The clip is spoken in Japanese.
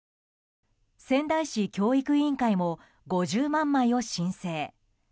仙台市教育委員会も５０万枚を申請。